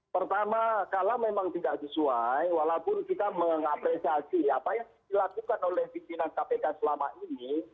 pertama kalau memang tidak sesuai walaupun kita mengapresiasi apa yang dilakukan oleh pimpinan kpk selama ini